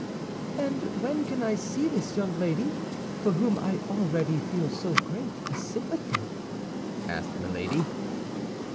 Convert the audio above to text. "And when can I see this young lady, for whom I already feel so great a sympathy?" asked Milady.